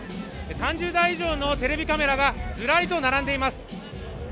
３０台以上のテレビカメラがずらりと並んでいます